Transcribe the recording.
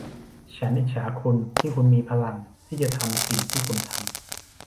ฉันอิจฉาคุณที่คุณมีพลังที่จะทำสิ่งที่คุณทำ